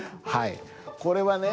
これはね